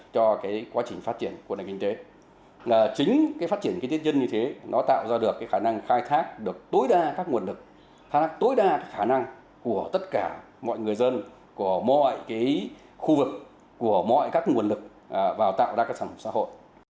do cái quá trình phát triển của nền kinh tế là chính cái phát triển kinh tế nhân như thế nó tạo ra được cái khả năng khai thác được tối đa các nguồn lực tối đa cái khả năng của tất cả mọi người dân của mọi cái khu vực của mọi các nguồn lực vào tạo ra các sản phẩm xã hội